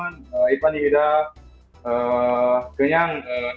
saya hanya seorang pelajar